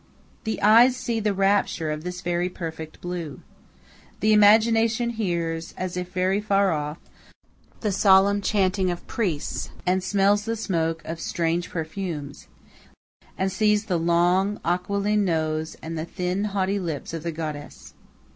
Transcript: The eyes see the rapture of this very perfect blue. The imagination hears, as if very far off, the solemn chanting of priests and smells the smoke of strange perfumes, and sees the long, aquiline nose and the thin, haughty lips of the goddess.